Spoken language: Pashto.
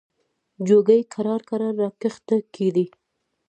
جوګي کرار کرار را کښته کېدی.